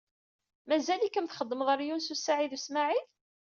Mazal-ikem txeddmeḍ ɣer Yunes u Saɛid u Smaɛil?